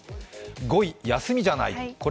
５位、休みじゃない。